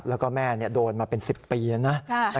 แล้วก็แม่โดนมาเป็น๑๐ปีแล้วนะ